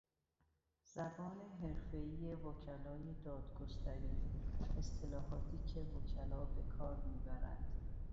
زبان حرفهای وکلای دادگستری، اصطلاحاتی که وکلا به کار میبرند